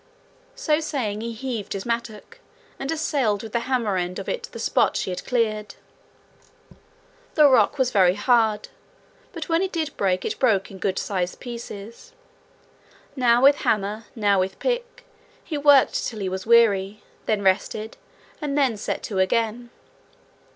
So saying, he heaved his mattock, and assailed with the hammer end of it the spot she had cleared. The rock was very hard, but when it did break it broke in good sized pieces. Now with hammer, now with pick, he worked till he was weary, then rested, and then set to again.